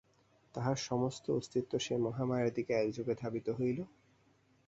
তাহার সমস্ত অস্তিত্ব সেই মহামায়ার দিকে একযোগে ধাবিত হইল।